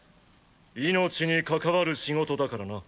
命にかかわる仕事だからな。